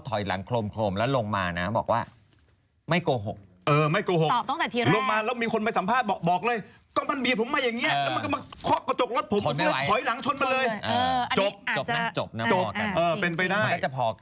ถอยหลังชนไปเลยจบจบนะพอกันมันก็จะพอกันจริงเออเป็นไปได้